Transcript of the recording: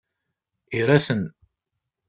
Ira-ten.